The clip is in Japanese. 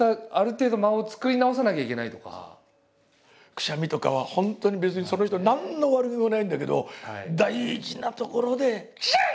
くしゃみとかは本当に別にその人何の悪気もないんだけど大事なところで「クシュン！」。